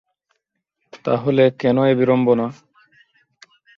তা হলে কেন এ বিড়ম্বনা?